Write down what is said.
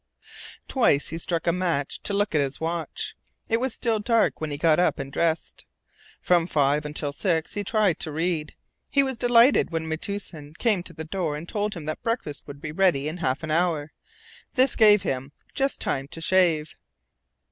Twice he struck a match to look at his watch. It was still dark when he got up and dressed. From five until six he tried to read. He was delighted when Metoosin came to the door and told him that breakfast would be ready in half an hour. This gave him just time to shave.